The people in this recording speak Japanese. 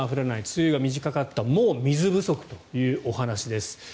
梅雨が短かったもう水不足というお話です。